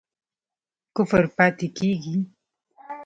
کفر پاتی کیږي؟